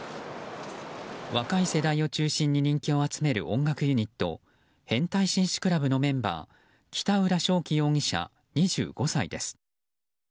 若い世代を中心に人気を集める音楽ユニット変態紳士クラブのメンバー北浦翔暉容疑者、２５歳です。